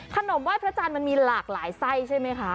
ไห้พระจันทร์มันมีหลากหลายไส้ใช่ไหมคะ